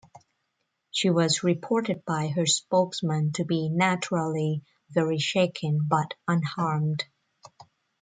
She was reported by her spokesman to be "naturally very shaken" but "unharmed".